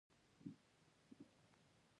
سیلاني ځایونه د افغانستان په اوږده تاریخ کې شته.